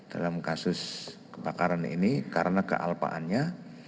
dalam kasus kebakaran ini karena kealpaannya